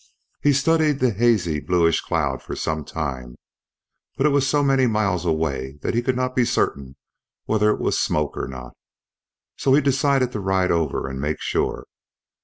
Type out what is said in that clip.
He studied the hazy bluish cloud for some time, but it was so many miles away that he could not be certain whether it was smoke or not, so he decided to ride over and make sure.